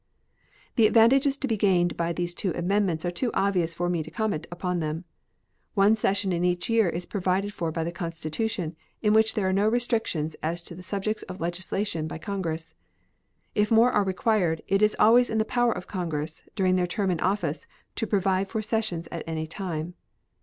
The advantages to be gained by these two amendments are too obvious for me to comment upon them. One session in each year is provided for by the Constitution, in which there are no restrictions as to the subjects of legislation by Congress. If more are required, it is always in the power of Congress, during their term of office, to provide for sessions at any time.